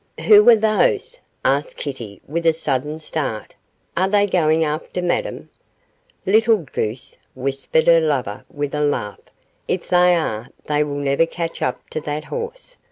'Who are those?' asked Kitty, with a sudden start. 'Are they going after Madame?' 'Little goose,' whispered her lover, with a laugh; 'if they are they will never catch up to that horse.